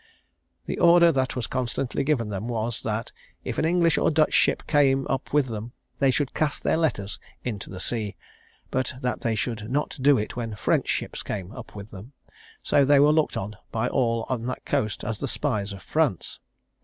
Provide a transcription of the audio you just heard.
The order that was constantly given them was, that if an English or Dutch ship came up with them, they should cast their letters into the sea, but that they should not do it when French ships came up with them: so they were looked on by all on that coast as the spies of France.